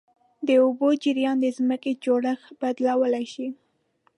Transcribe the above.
د اوبو جریان د ځمکې جوړښت بدلولی شي.